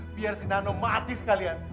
biar si nano mati sekalian